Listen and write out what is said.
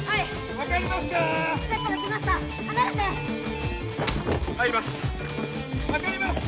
分かりますか？